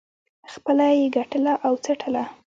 خپله یې ګټله او څټله.